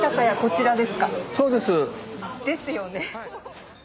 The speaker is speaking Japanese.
そうです。ですよね。